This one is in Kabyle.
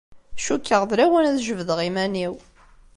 Cukkeɣ d lawan ad jebdeɣ iman-iw.